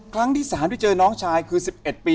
ครั้งที่๓ที่เจอน้องชายคือ๑๑ปี